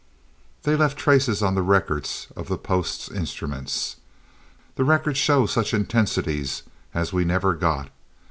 "They left traces on the records of the post instruments. These records show such intensities as we never got.